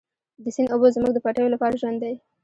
د سیند اوبه زموږ د پټیو لپاره ژوند دی.